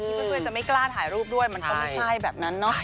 เพื่อนจะไม่กล้าถ่ายรูปด้วยมันก็ไม่ใช่แบบนั้นเนาะ